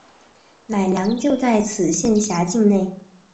乃良就在此县辖境内。